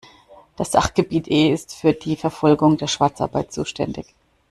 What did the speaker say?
Das Sachgebiet E ist für die Verfolgung der Schwarzarbeit zuständig.